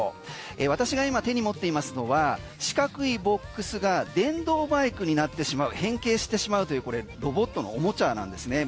私が今、手に持っていますのは四角いボックスが電動バイクになってしまう変形してしまうというこれロボットのおもちゃなんですね。